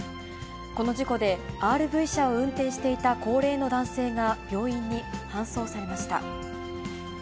この事故でＲＶ車を運転していた高齢の男性が病院に搬送されました。